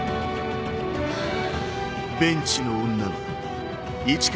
ハァ。